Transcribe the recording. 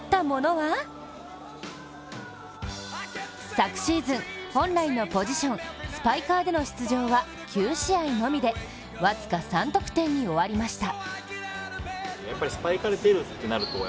昨シーズン、本来のポジション、スパイカーでの出場は９試合のみで、僅か３得点に終わりました。